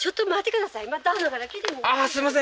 ああすいません